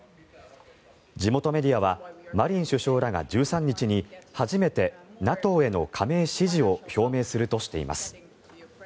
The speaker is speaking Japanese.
地元メディアはマリン首相らが１３日に初めてＮＡＴＯへの加盟支持を表明するとしています。